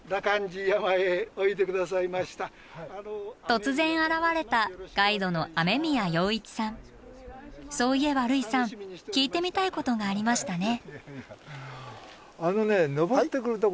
突然現れたガイドのそういえば類さん聞いてみたいことがありましたね。